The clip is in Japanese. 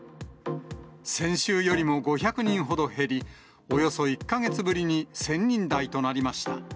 先週よりも５００人ほど減り、およそ１か月ぶりに１０００人台となりました。